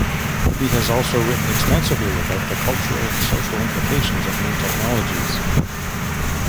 He has also written extensively about the cultural and social implications of new technologies.